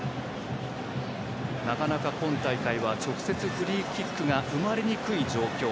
なかなか、今大会は直接フリーキックが生まれにくい状況。